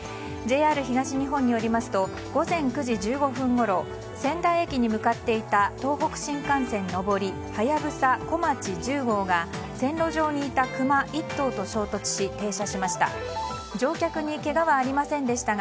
ＪＲ東日本によりますと午前９時１５分ごろ仙台駅に向かっていた東北新幹線上り「はやぶさ・こまち１０号」が線路上にいたクマ１頭と衝突し停車しました。